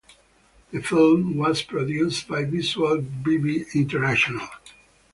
The film was produced by Visual Bible International.